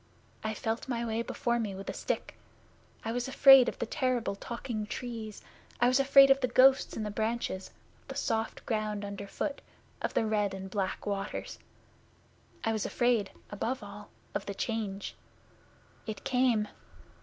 I felt my way before me with a stick. I was afraid of the terrible talking Trees. I was afraid of the ghosts in the branches; of the soft ground underfoot; of the red and black waters. I was afraid, above all, of the Change. It came!